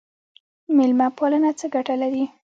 میلمه پالنه څه ګټه لري؟